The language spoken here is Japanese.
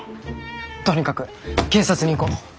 とにかく警察に行こう。